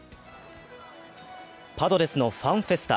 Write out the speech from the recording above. パドレスのファンフェスタ。